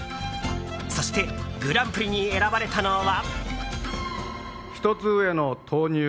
そしてグランプリに選ばれたのは。